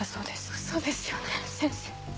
ウソですよね先生。